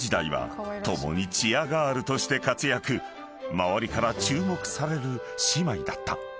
［周りから注目される姉妹だった］